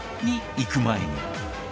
いく前に